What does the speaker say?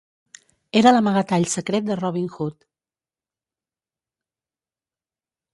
Era l'amagatall secret de Robin Hood.